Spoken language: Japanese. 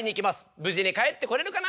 無事に帰ってこれるかな？